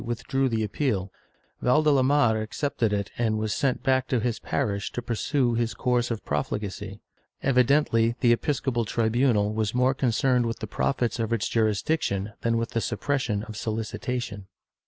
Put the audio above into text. IV 7 98 SOLICITATION [Book VIII drew the appeal; Valdelamar accepted it and was sent back to his parish to pursue his course of profligacy. Evidently the epis copal tribunal was more concerned with the profits of its juris diction than with the suppression of solicitation.